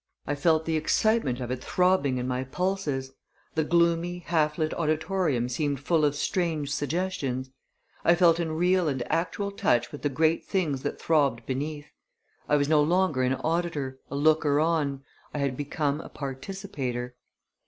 I felt the excitement of it throbbing in my pulses. The gloomy, half lit auditorium seemed full of strange suggestions. I felt in real and actual touch with the great things that throbbed beneath. I was no longer an auditor a looker on. I had become a participator.